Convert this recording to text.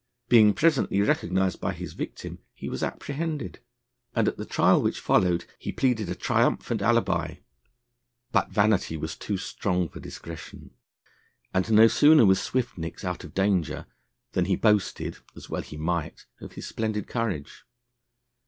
Being presently recognised by his victim, he was apprehended, and at the trial which followed he pleaded a triumphant alibi. But vanity was too strong for discretion, and no sooner was Swiftnicks out of danger, than he boasted, as well he might, of his splendid courage.